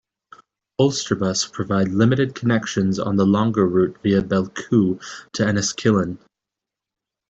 Ulsterbus provide limited connections on the longer route via Belcoo to Enniskillen.